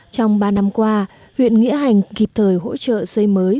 trong ba năm qua huyện nghĩa hành kịp thời hỗ trợ xây mới